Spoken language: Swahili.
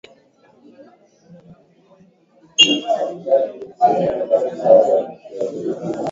ambaye ni mchambuzi wa siasa za wa jijini nairobi kenya